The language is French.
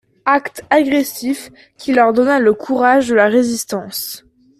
Acte agressif qui leur donna le courage de la résistance.